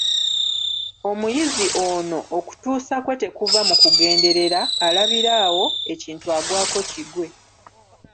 Omuyizi ono okutuusa kwe tekuva mu kugenderera, alabira awo, ekintu agwako kigwe.